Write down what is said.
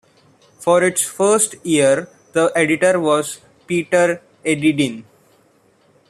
For its first year, the editor was Peter Edidin.